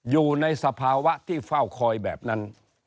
อยู่ในสภาวะที่เฝ้าคอยแบบนั้น